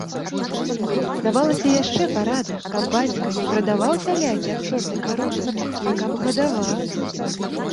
Давалася яшчэ парада, каб бацька не прадаваў цяляці ад чорнай каровы, а каб гадаваў.